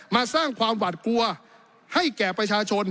สร้างความหวัดกลัวให้แก่ประชาชน